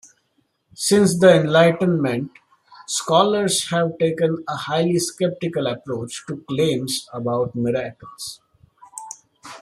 Since the Enlightenment, scholars have taken a highly skeptical approach to claims about miracles.